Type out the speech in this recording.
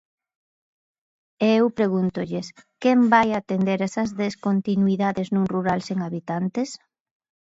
E eu pregúntolles: ¿quen vai atender esas descontinuidades nun rural sen habitantes?